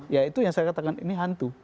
ya itu yang saya katakan ini hantu